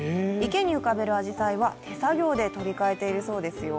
池に浮かべるあじさいは手作業で取り替えているそうですよ。